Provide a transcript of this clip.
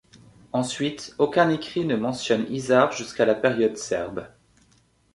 Ensuite, aucun écrit ne mentionne Isar jusqu'à la période serbe.